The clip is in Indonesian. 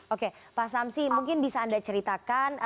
oke pak samsi mungkin bisa anda ceritakan